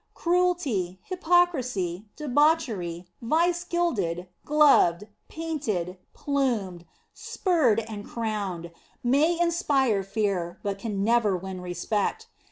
Cruelty, hypocrisy, debauchery, vice gilded, gloved, painted, plumed, spurred and crowned, may inspire fear, but can never win respect.